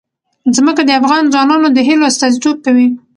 ځمکه د افغان ځوانانو د هیلو استازیتوب کوي.